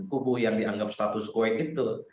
kubu yang dianggap status quo itu